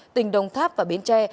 tỉnh đồng tháp và biến tre